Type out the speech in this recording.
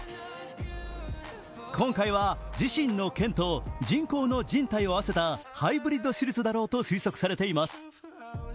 今回は自身のけんと人工のじん帯を合わせたハイブリッド手術だろうと推測されています。